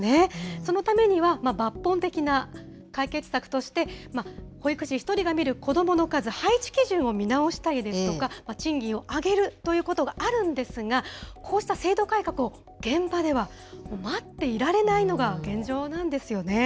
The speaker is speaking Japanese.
そのためには、抜本的な解決策として、保育士１人が見る子どもの数、配置基準を見直したりですとか、賃金を上げるということがあるんですが、こうした制度改革を、現場では待っていられないのが現状なんですよね。